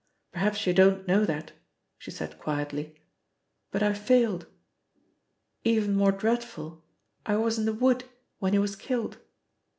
Perhaps you don't know that," she said quietly, "but I failed. Even more dreadful, I was in the wood when he was killed."